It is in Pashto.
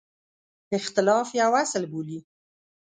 اختلاف یو اصل بولي.